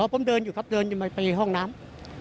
ผมเดินอยู่ครับไปห้องน้ำ